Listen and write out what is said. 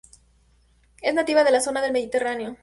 Es nativa de la zona del Mediterráneo.